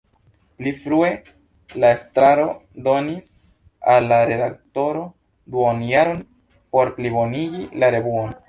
Pli frue la estraro donis al la redaktoro duonjaron por plibonigi la revuon.